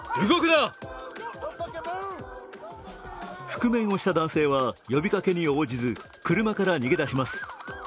覆面をした男性は呼びかけに応じず、車から逃げ出します。